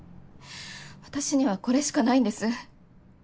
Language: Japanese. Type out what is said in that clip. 私にはこれしかないんです。